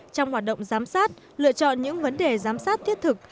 trong hoạt động giám sát lựa chọn những vấn đề giám sát thiết thực